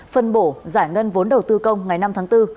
phân bổ giải ngân vốn đầu tư công ngày năm tháng bốn